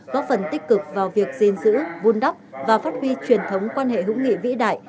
góp phần tích cực vào việc gìn giữ vun đắp và phát huy truyền thống quan hệ hữu nghị vĩ đại